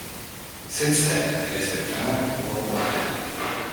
Since then, it has been found worldwide.